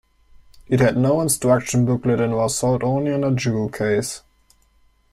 It had no instruction booklet and was sold only in a jewel case.